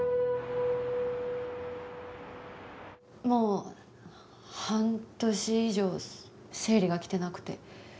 もう半年以上、生理が来てなくて。